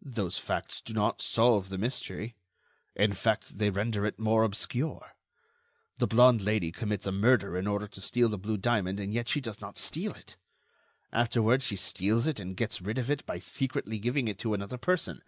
"Those facts do not solve the mystery; in fact, they render it more obscure. The blonde Lady commits a murder in order to steal the blue diamond, and yet she does not steal it. Afterward she steals it and gets rid of it by secretly giving it to another person.